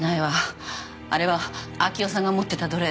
あれは明生さんが持ってた土鈴。